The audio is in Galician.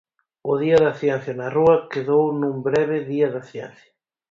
O Día da Ciencia na Rúa quedou nun breve Día da Ciencia.